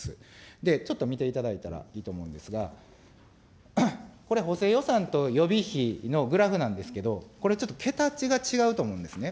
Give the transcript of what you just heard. で、ちょっと見ていただいたらいいと思うんですが、これ、補正予算と予備費のグラフなんですけど、これ、ちょっと桁が違うと思うんですね。